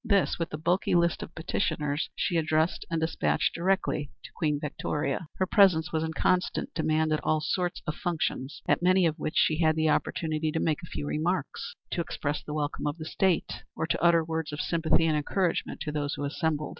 This, with the bulky list of petitioners, she addressed and despatched directly to Queen Victoria. Her presence was in constant demand at all sorts of functions, at many of which she had the opportunity to make a few remarks; to express the welcome of the State, or to utter words of sympathy and encouragement to those assembled.